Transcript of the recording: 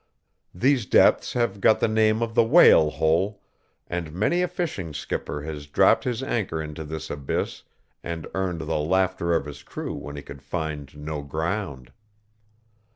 These depths have got the name of the Whale Hole, and many a fishing skipper has dropped his anchor into this abyss and earned the laughter of his crew when he could find no ground.